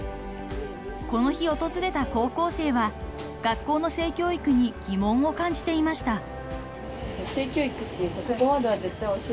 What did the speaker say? ［この日訪れた高校生は学校の性教育に疑問を感じていました］